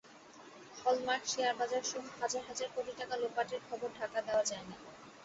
Hallmark, শেয়ারবাজারসহ হাজার হাজার কোটি টাকা লোপাটের খবর ঢাকা দেওয়া যায়নি।